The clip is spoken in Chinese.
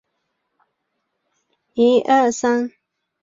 阿布哈兹人民议会是阿布哈兹的国家立法机关。